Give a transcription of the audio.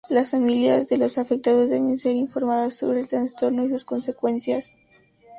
Las familias de los afectados deben ser informadas sobre el trastorno y sus consecuencias.